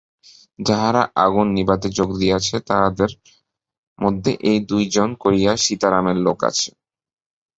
যাহারা আগুন নিবাইতে যোগ দিয়াছে, তাহাদের মধ্যেই দুই-একজন করিয়া সীতারামের লোক আছে।